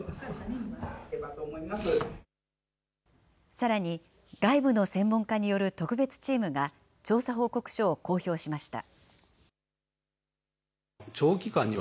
さらに外部の専門家による特別チームが、調査報告書を公表しました。